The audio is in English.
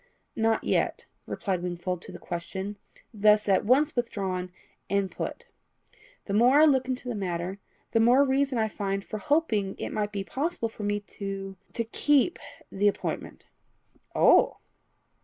"Not yet," replied Wingfold to the question thus at once withdrawn and put. "The more I look into the matter, the more reason I find for hoping it may be possible for me to to keep the appointment." "Oh!"